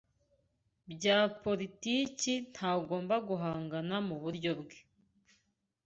bya politiki ntagomba guhangana muburyo bwe